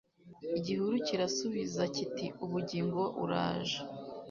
Igihuru kirasubiza kiti Ubugingo uraje